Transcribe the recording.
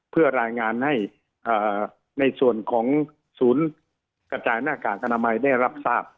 เพื่อรายงานให้ในส่วนของศูนย์กระจายหน้ากากอนามัยได้รับทราบ